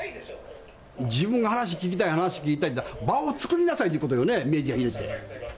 自分が話聞きたい、話聞きたいんだったら、場を作りなさいということだよね、メディア入れて。